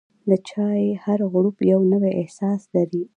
د چای هر غوړپ یو نوی احساس لري.